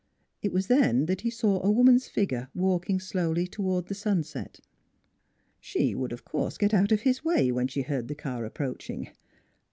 It was then that he saw a woman's figure walking slowly toward the sunset. She would, of course, get out of his way when she heard the car ap proaching.